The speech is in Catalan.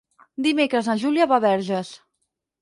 Dimecres na Júlia va a Verges.